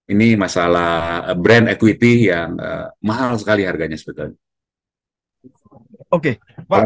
ini masalah brand equity yang mahal sekali harganya sebetulnya